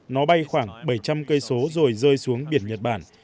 nó bay khoảng bảy trăm linh km rồi rơi xuống biển nhật bản